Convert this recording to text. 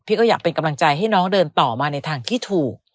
ก็อยากเป็นกำลังใจให้น้องเดินต่อมาในทางที่ถูก